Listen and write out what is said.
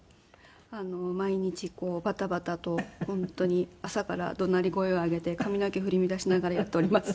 毎日こうバタバタと本当に朝から怒鳴り声を上げて髪の毛振り乱しながらやっております。